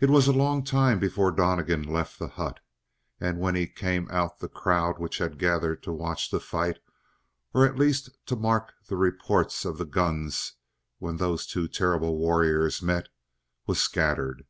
34 It was a long time before Donnegan left the hut, and when he came out the crowd which had gathered to watch the fight, or at least to mark the reports of the guns when those two terrible warriors met, was scattered.